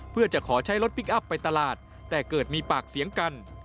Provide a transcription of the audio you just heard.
เพื่อจะขอใช้รถพลิกอัพไปตลาดแต่เกิดมีปากเสียงกัน